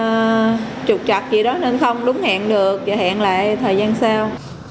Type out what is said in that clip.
nên không đúng hẹn được và hẹn lại thời gian sau